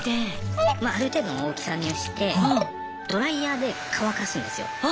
ある程度の大きさにはしてドライヤーで乾かすんですよ。